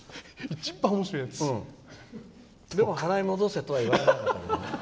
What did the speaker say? でも、払い戻せとは言われなかったね。